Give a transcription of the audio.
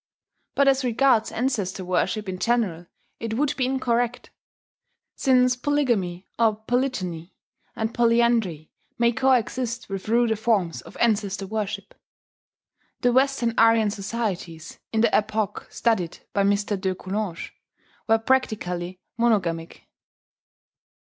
But as regards ancestor worship in general, it would be incorrect; since polygamy or polygyny, and polyandry may coexist with ruder forms of ancestor worship. The Western Aryan societies, in the epoch studied by M. de Coulanges, were practically monogamic.